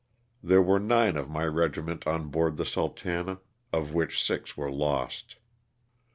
There were nine of my regiment on board the " Sultana," of which six were lost.